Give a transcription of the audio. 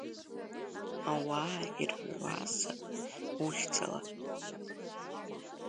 Ауаа ирҩуазаап ухьӡала.